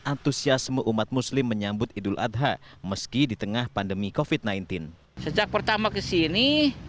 antusiasme umat muslim menyambut idul adha meski di tengah pandemi kofit sembilan belas sejak pertama kesini